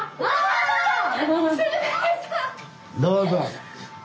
どうぞ。